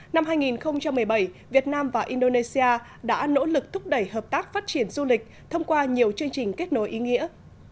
năm hai nghìn một mươi bảy việt nam và indonesia đã nỗ lực thúc đẩy hợp tác phát triển du lịch thông qua nhiều chương trình kết nối ý nghĩa